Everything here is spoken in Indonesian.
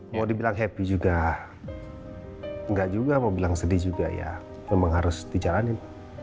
mau dibilang happy juga nggak juga mau bilang sedih juga ya memang harus dijalanin